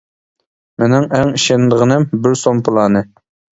مېنىڭ ئەڭ ئىشىنىدىغىنىم بىر سوم پىلانى!